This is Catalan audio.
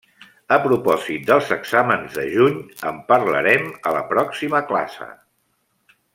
A propòsit dels exàmens de juny, en parlarem a la pròxima classe.